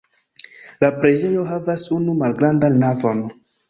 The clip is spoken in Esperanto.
La preĝejo havas unu malgrandan navon.